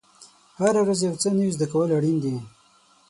هره ورځ یو څه نوی زده کول اړین دي.